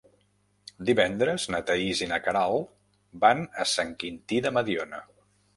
Divendres na Thaís i na Queralt van a Sant Quintí de Mediona.